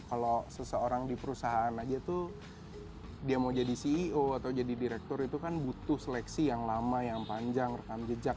kalau seseorang di perusahaan aja tuh dia mau jadi ceo atau jadi direktur itu kan butuh seleksi yang lama yang panjang rekam jejak